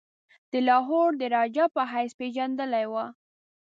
د لاهور د راجا په حیث پيژندلی وو.